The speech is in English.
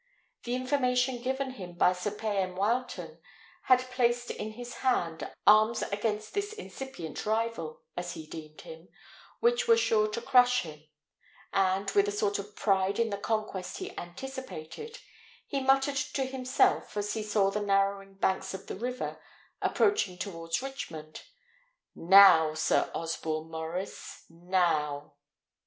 The information given him by Sir Payan Wileton had placed in his hand arms against this incipient rival, as he deemed him, which were sure to crush him; and, with a sort of pride in the conquest he anticipated, he muttered to himself, as he saw the narrowing banks of the river, approaching towards Richmond, "Now, Sir Osborne Maurice! now!"